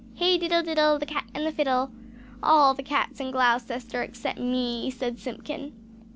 "Hey, diddle, diddle, the cat and the fiddle! All the cats in Gloucester except me," said Simpkin.